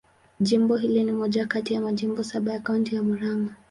Jimbo hili ni moja kati ya majimbo saba ya Kaunti ya Murang'a.